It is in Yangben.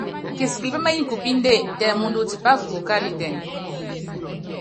Kisikili pémenyi kupíndé, tɛ muundɔ utipa ukukukálitɛn.